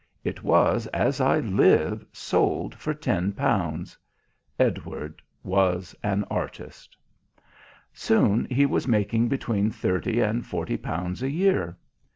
It was, as I live, sold for ten pounds. Edward was an artist. Soon he was making between thirty and forty pounds a year.